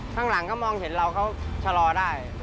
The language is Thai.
ข้างหลังเขามองเห็นเราเขาชะลอได้